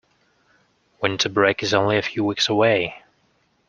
Winter break is only a few weeks away!